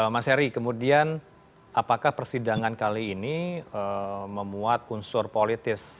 mas heri kemudian apakah persidangan kali ini memuat unsur politis